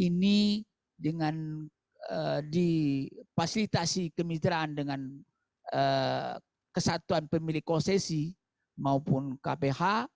ini dengan difasilitasi kemitraan dengan kesatuan pemilik konsesi maupun kph